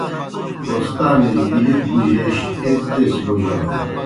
کوستانِجیْ گِلِت بُجَیش ایْک دیز بوجانوْ۔